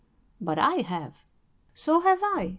"But I have." "So have I.